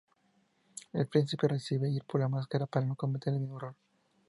El príncipe decide ir por la máscara para no cometer el mismo error.